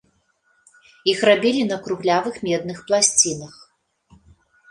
Іх рабілі на круглявых медных пласцінах.